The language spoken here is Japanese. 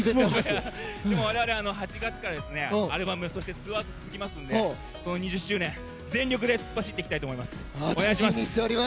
われわれ、８月からアルバムそしてツアーが続きますので２０周年全力で突っ走っていきたいと思います。